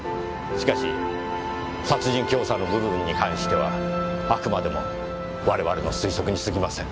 しかし殺人教唆の部分に関してはあくまでも我々の推測にすぎません。